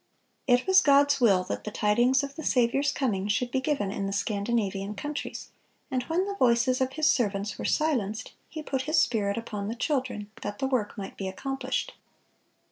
It was God's will that the tidings of the Saviour's coming should be given in the Scandinavian countries; and when the voices of His servants were silenced, He put His Spirit upon the children, that the work might be accomplished.